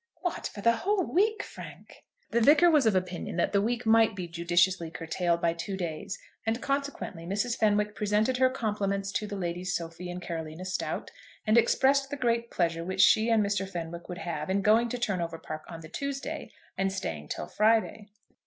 "What; for the whole week, Frank?" The Vicar was of opinion that the week might be judiciously curtailed by two days; and, consequently, Mrs. Fenwick presented her compliments to the Ladies Sophie and Carolina Stowte, and expressed the great pleasure which she and Mr. Fenwick would have in going to Turnover Park on the Tuesday, and staying till the Friday.